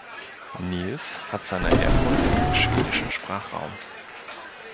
Nils hat seine Herkunft im schwedischen Sprachraum.